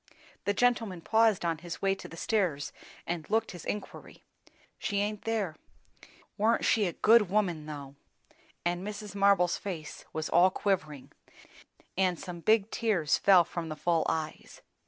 The gentleman paused on his way to the stairs and looked his inquiry. "She aint there. Warn't she a good woman, though!" And Mrs. Marble's face was all quivering, and some big tears fell from the full eyes.